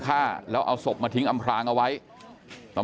กลุ่มตัวเชียงใหม่